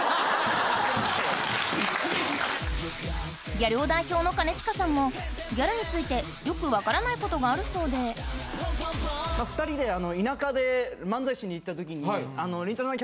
ギャル男代表の兼近さんもギャルについてよく分からない事があるそうで２人で田舎で漫才しに行った時にりんたろーさん